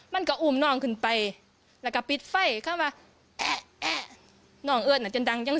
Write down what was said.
มันก็อุ๋มนั่งขึ้นไปแล้วก็ปิดไฟ่ค่ะหน่อยจนดังอย่าง